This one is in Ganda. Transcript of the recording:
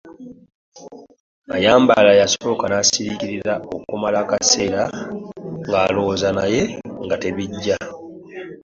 Mayambala yasooka n'asiriikirira okumala akaseera ng'alowooza naye nga tebijja.